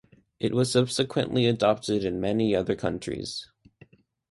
It was subsequently adopted in many other countries.